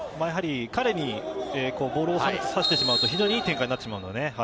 彼にボールを収めさせてしまうと非常にいい展開なってしまうのでね。